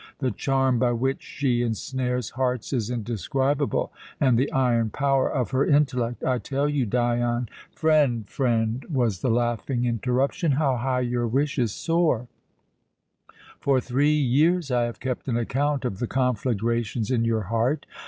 The charm by which she ensnares hearts is indescribable, and the iron power of her intellect! I tell you, Dion " "Friend, friend," was the laughing interruption. "How high your wishes soar! For three years I have kept an account of the conflagrations in your heart.